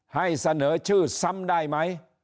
ให้เสนอชื่อซ้ำได้ไหม